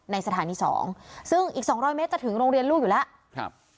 ในสถานีสองซึ่งอีกสองร้อยเมตรจะถึงโรงเรียนลูกอยู่แล้วครับ